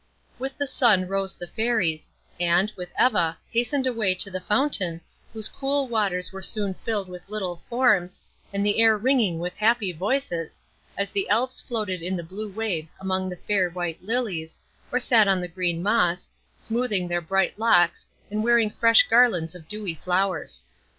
With the sun rose the Fairies, and, with Eva, hastened away to the fountain, whose cool waters were soon filled with little forms, and the air ringing with happy voices, as the Elves floated in the blue waves among the fair white lilies, or sat on the green moss, smoothing their bright locks, and wearing fresh garlands of dewy flowers.